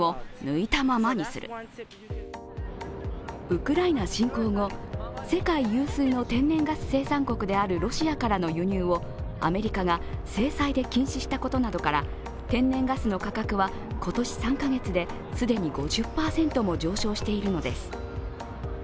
ウクライナ侵攻後、世界有数の天然ガス生産国であるロシアからの輸入をアメリカが制裁で禁止したことなどから、天然ガスの価格は今年３カ月で既に５０％も上昇しているのです。